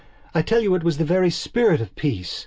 I tell you it was the very spirit of peace.